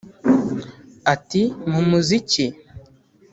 Ati “Mu muziki